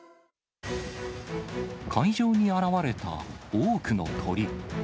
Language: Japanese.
海上に現れた多くの鳥。